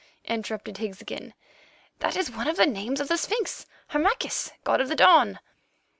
interrupted Higgs again. "That is one of the names of the sphinx—Harmachis, god of dawn."